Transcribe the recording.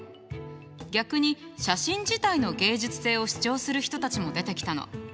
逆に写真自体の芸術性を主張する人たちも出てきたの。